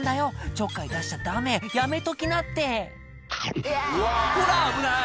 ちょっかい出しちゃダメやめときなってほら危ない！